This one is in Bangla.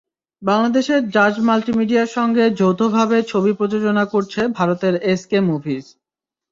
বাংলাদেশের জাজ মাল্টিমিডিয়ার সঙ্গে যৌথভাবে ছবিটি প্রযোজনা করছে ভারতের এসকে মুভিজ।